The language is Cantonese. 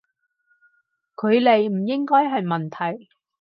距離唔應該係問題